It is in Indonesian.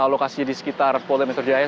lokasinya di sekitar polda metro jaya